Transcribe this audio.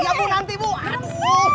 iya bu nanti bu